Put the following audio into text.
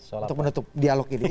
untuk menutup dialog ini